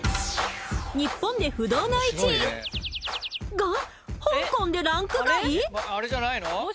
日本で不動の１位が香港でランク外？